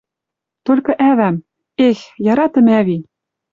Толькы ӓвӓм... Эх, яратым ӓви